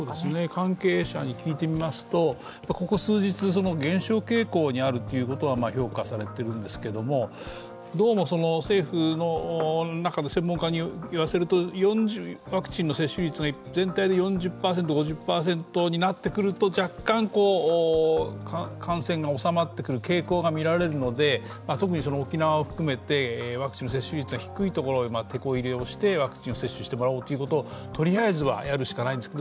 関係者に聞いてみますとここ数日減少傾向にあるということは評価されているんですけれども、どうも政府の中の専門家に言わせるとワクチンの接種率が全体で４０５０％になってくると若干、感染が収まってくる傾向が見られるので特に沖縄を含めて、ワクチンの接種率が低いところにてこ入れをしてワクチンを接種してもらおうということをとりあえずはやるしかないです。